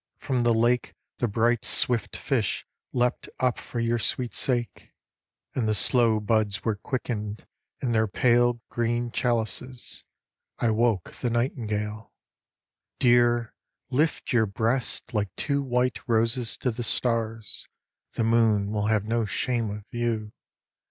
From the lake The bright swift fish leapt up for your sweet sake, And the slow buds were quickened in their pale Green chalices. I woke the nightingale. 55 IN THE NET OF THE STARS Dear, lift your breasts like two white roses to The stars. The moon will have no shame of you.